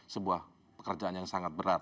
sebuah pekerjaan yang sangat berat